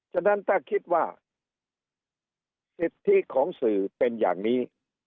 ฉะนั้นถ้าคิดว่าสิทธิของสื่อเป็นอย่างนี้